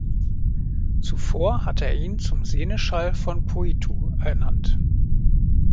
Zuvor hatte er ihn zum Seneschall von Poitou ernannt.